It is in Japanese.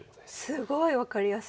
すごい分かりやすい。